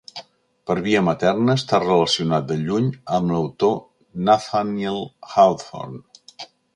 Per via materna, està relacionat de lluny amb l'autor Nathaniel Hawthorne.